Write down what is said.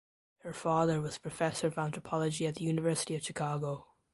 Her father was professor of anthropology at the University of Chicago.